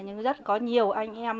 nhưng rất có nhiều anh em